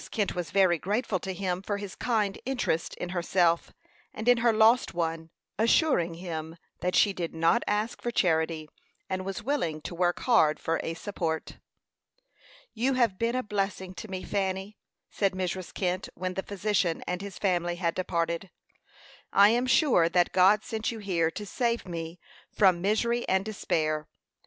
Kent was very grateful to him for his kind interest in herself, and in her lost one, assuring him that she did not ask for charity, and was willing to work hard for a support. "You have been a blessing to me, Fanny," said Mrs. Kent, when the physician and his family had departed. "I am sure that God sent you here to save me from misery and despair.